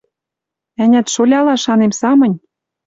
Ӓнят, шоляла шанем самынь?